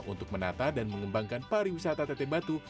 untuk menata dan mengembangkan pariwisata teteh batu